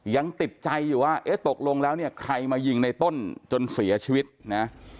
ยังติดใจอยู่ว่าเอ๊ะตกลงแล้วเนี่ยใครมายิงในต้นจนเสียชีวิตนะ